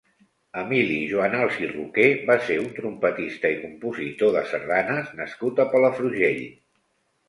Emili Juanals i Roqué va ser un trompetista i compositor de sardanes nascut a Palafrugell.